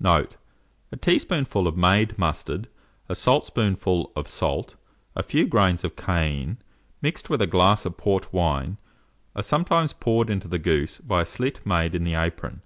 Note. A teaspoonful of made mustard, a saltspoonful of salt, a few grains of cayenne, mixed with a glass of port wine, are sometimes poured into the goose by a slit made in the apron.